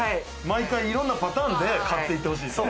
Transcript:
毎回いろんなパターンで勝って行ってほしいと。